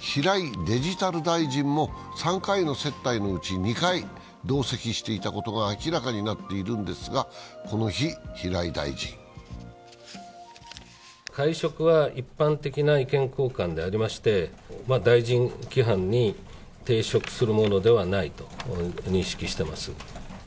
平井デジタル大臣も３回の接待のうち２回、同席していたことが明らかにっているんですが、この日、平井大臣は会食は一般的な意見交換でありまして、大臣規範に抵触するものではないと認識しています。